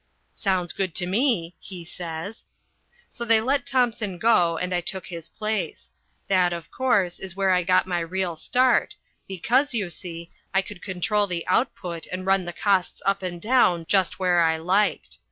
"Sounds good to me," he says. So they let Thompson go and I took his place. That, of course, is where I got my real start, because, you see, I could control the output and run the costs up and down just where I liked.